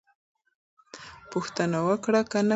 پوښتنه وکړه که نه پوهېږې.